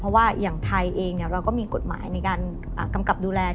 เพราะว่าอย่างไทยเองเราก็มีกฎหมายในการกำกับดูแล